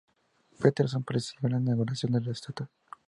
Patterson presidió la inauguración de la estatua.